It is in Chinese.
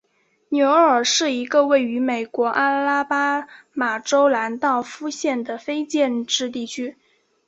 纽厄尔是一个位于美国阿拉巴马州兰道夫县的非建制地区。